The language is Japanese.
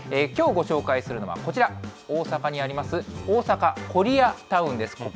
きょうご紹介するのはこちら、大阪にあります、大阪コリアタウンです。